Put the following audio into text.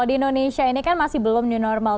indonesia ini kan masih belum normal